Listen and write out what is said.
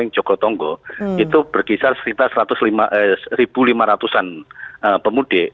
jogotongo itu berkisar sekitar satu lima ratus an pemudik